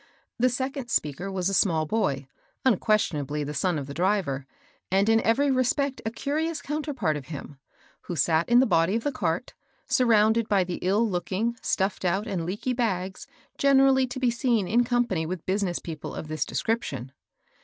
The second speaker was a small boy, — unquestionably the son of the driver, and in every respect a curious coun terpart of him, — who sat in the body of the cart, surrounded by the ill looking, stuffed out, and leaky bags generally to be seen in company with business people of this description.